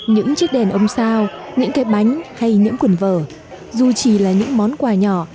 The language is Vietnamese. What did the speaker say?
những chiếc đèn ông sao những cái bánh hay những quần vở dù chỉ là những món quà nhỏ